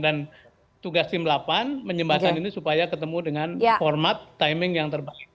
dan tugas tim delapan menyembahkan ini supaya ketemu dengan format timing yang terbaik